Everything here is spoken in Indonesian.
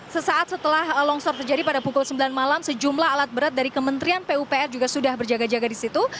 sesaat setelah longsor terjadi pada pukul sembilan malam sejumlah alat berat dari kementerian pupr juga sudah berjaga jaga di situ